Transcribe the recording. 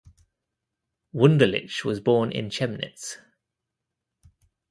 Wunderlich was born in Chemnitz.